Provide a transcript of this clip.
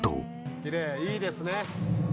「きれい！いいですね」